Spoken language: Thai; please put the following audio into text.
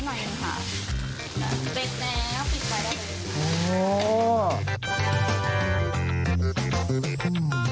เสร็จแล้วปิดไฟได้เลย